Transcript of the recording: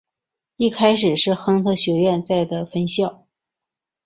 一开始是亨特学院在的分校。